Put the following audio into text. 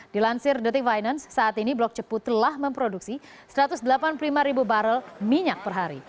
dilansir detik finance saat ini blok cepu telah memproduksi satu ratus delapan puluh lima ribu barrel minyak per hari